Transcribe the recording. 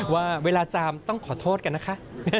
ว่าเวลาจามต้องขอโทษกันนะคะ